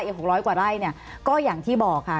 อีก๖๐๐กว่าไร่ก็อย่างที่บอกค่ะ